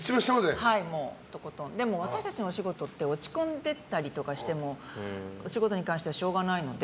でも私たちのお仕事って落ち込んでたりとかしてもお仕事に関してはしょうがないので。